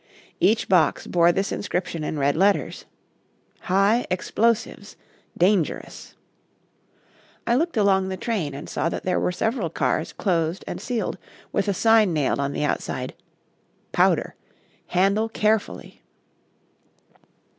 Each box bore this inscription in red letters: HIGH EXPLOSIVES. DANGEROUS. I looked along the train and saw that there were several cars closed and sealed, with a sign nailed on the outside: POWDER. HANDLE CAREFULLY.